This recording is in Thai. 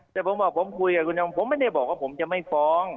แต่ผมบอกผมคุยกับคุณยังผมไม่ได้บอกว่าผมจะไม่ฟ้อง